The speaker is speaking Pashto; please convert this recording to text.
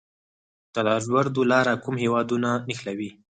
د لاجوردو لاره کوم هیوادونه نښلوي؟